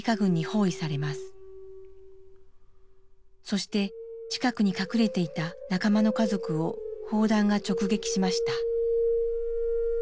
そして近くに隠れていた仲間の家族を砲弾が直撃しました。